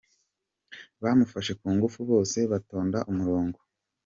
Bamufashe ku ngufu, bose batonda umurongo.